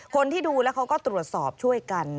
คนที่ดูแล้วเขาก็ตรวจสอบช่วยกัน